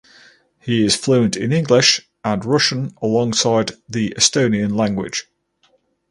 He is fluent in English and Russian alongside the Estonian language.